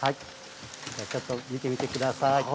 ちょっと見てみてください。